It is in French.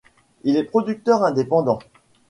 Il est producteur indépendant.